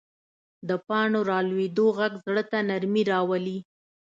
د پاڼو رالوېدو غږ زړه ته نرمي راولي